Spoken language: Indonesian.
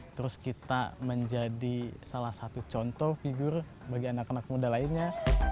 terus kita menjadi salah satu contoh figur bagi anak anak muda lainnya